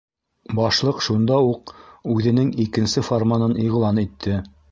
Башлыҡ шунда уҡ үҙенең икенсе фарманын иғлан итте: